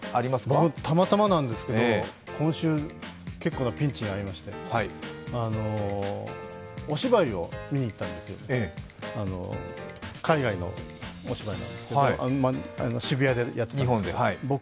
僕、たまたまなんですが今週結構なピンチに遭いましてお芝居を見に行ったんです、海外のお芝居なんですけど、渋谷でやってたんですけど。